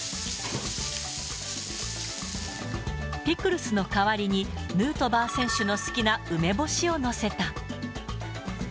ピクルスの代わりに、ヌートバー選手の好きな梅干しを載せた。